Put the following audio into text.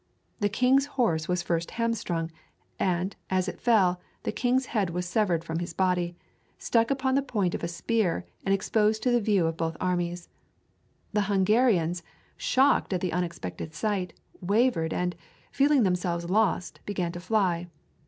The king's horse was first hamstrung, and, as it fell, the king's head was severed from his body, stuck upon the point of a spear and exposed to the view of both armies. The Hungarians, shocked at the unexpected sight, wavered and, feeling themselves lost, began to fly.